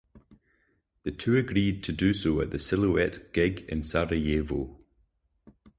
The two agreed to do so at the Siluete gig in Sarajevo.